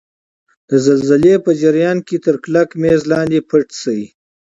د زلزلې په جریان کې تر کلک میز لاندې پټ شئ.